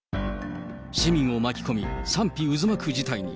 市民を巻き込み、賛否渦巻く事態に。